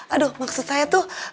aduh maksud saya tuh